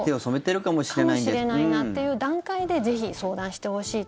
かもしれないなっていう段階でぜひ相談してほしいと。